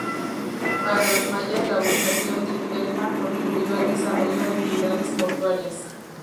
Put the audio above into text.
Para los mayas, la ubicación de Xel-Há contribuyó al desarrollo de actividades portuarias.